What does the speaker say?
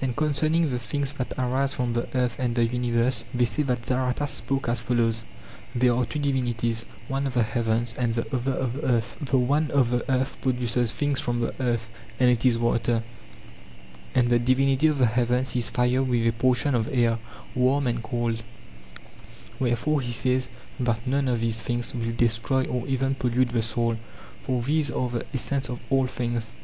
And concerning the things that arise from the earth and the universe they say that Zaratas spoke as follows: There are two divinities, one of the heavens and the other of the earth; the one of the earth produces things from the earth, and it is water; and the divinity of the heavens is fire with a portion of air, warm, and cold ; wherefore he says that none of these things will destroy or even pollute the soul, for these are the essence of all things.